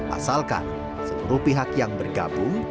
asalkan seluruh pihak yang bergabung